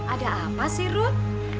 ada apa sih rut